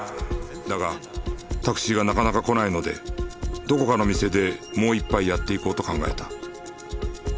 だがタクシーがなかなか来ないのでどこかの店でもう一杯やっていこうと考えた。